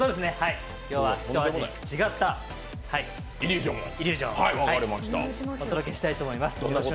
今日はひと味違ったイリュージョンをお届けしたいと思います。